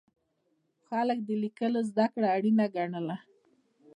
خلک د لیکلو زده کړه اړینه ګڼله.